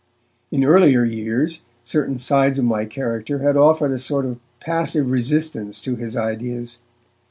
In earlier years, certain sides of my character had offered a sort of passive resistance to his ideas.